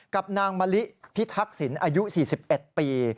กับนางมะลิพิทักษิณอายุ๔๑ปี